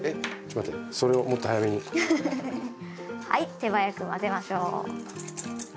はい手早く混ぜましょう。